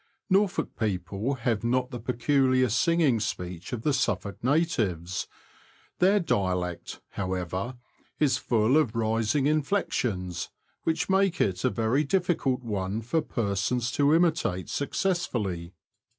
Norfolk people have not the peculiar singing speech of the Suffolk natives ; their dialect, however, is full of rising inflections, which make it a very difficult one for persons to imitate successfully.